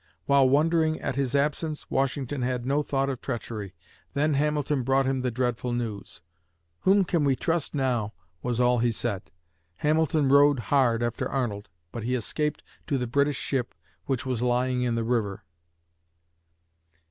While wondering at his absence, Washington had no thought of treachery. Then Hamilton brought him the dreadful news. "Whom can we trust now?" was all he said. Hamilton rode hard after Arnold, but he escaped to the British ship which was lying in the river.